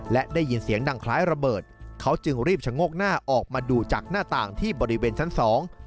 และได้ยินเสียงดังคล้ายระเบิดเขาจึงรีบชะโงกหน้าออกมาดูจากหน้าต่างที่บริเวณชั้นสอง